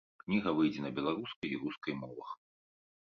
Кніга выйдзе на беларускай і рускай мовах.